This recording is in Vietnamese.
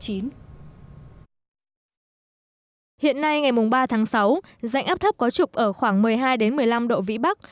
hiện nay ngày ba tháng sáu dạnh áp thấp có trục ở khoảng một mươi hai một mươi năm độ vĩ bắc